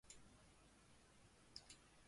民国改为金华道。